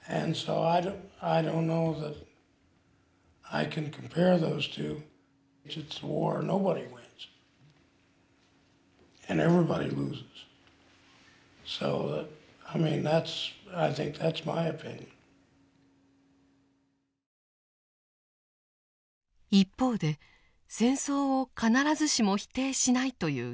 一方で戦争を必ずしも否定しないという遺族もいました。